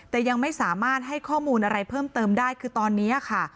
แต่ยังไม่สามารถให้ข้อมูลอะไรเพิ่มเติมได้คือตอนนี้ค่ะ